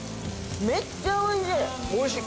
めっちゃおいしい！